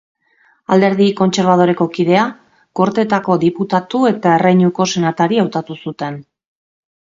Alderdi Kontserbadoreko kidea, Gorteetako diputatu eta Erreinuko senatari hautatu zuten.